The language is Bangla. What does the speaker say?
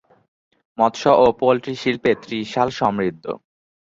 মৎস্য ও পোল্ট্রি শিল্পে ত্রিশাল সমৃদ্ধ।